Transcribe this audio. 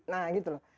nah gitu loh